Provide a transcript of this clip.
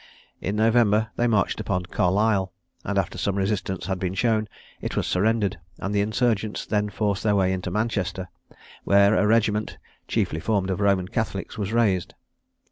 In November they marched upon Carlisle, and after some resistance had been shown, it was surrendered, and the insurgents then forced their way to Manchester, where a regiment, chiefly formed of Roman Catholics, was raised.